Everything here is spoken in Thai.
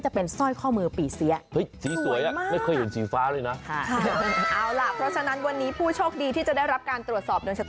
วันนี้สวยมากเลย